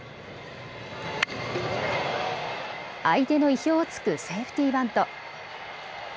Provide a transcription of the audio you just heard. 相手の意表をつくセーフティーバント。